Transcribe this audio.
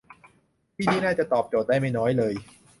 ที่นี่น่าจะตอบโจทย์ได้ไม่น้อยเลย